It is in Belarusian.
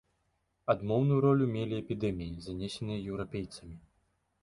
Адмоўную ролю мелі эпідэміі, занесеныя еўрапейцамі.